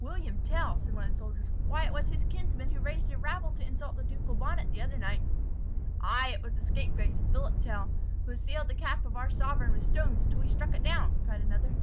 "William Tell!" said one of the soldiers; "why it was his kinsman who raised a rabble to insult the ducal bonnet the other night." "Ay, it was the scapegrace, Philip Tell, who assailed the cap of our sovereign with stones, till he struck it down," cried another.